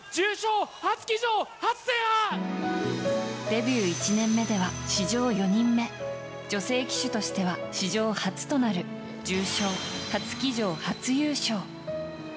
デビュー１年目では史上４人目女性騎手としては史上初となる重賞初騎乗初優勝。